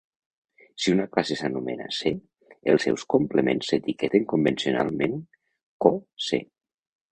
Si una classe s'anomena C, els seus complements s'etiqueten convencionalment co-C.